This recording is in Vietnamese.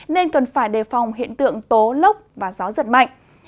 nên cần phải đề phòng hiện tượng tố lốc và gió giật mạnh